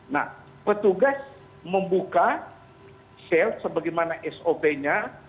nah petugas membuka self sebagaimana sop nya